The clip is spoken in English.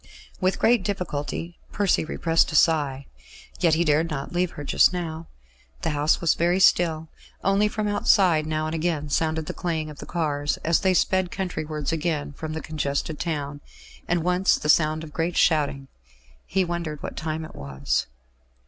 With great difficulty Percy repressed a sigh. Yet he dared not leave her just now. The house was very still; only from outside now and again sounded the clang of the cars, as they sped countrywards again from the congested town, and once the sound of great shouting. He wondered what time it was.